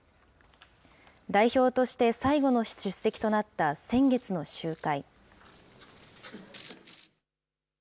代表として最後の出席となった先月の集会。